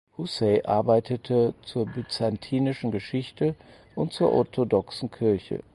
Hussey arbeitete zur byzantinischen Geschichte und zur Orthodoxen Kirche.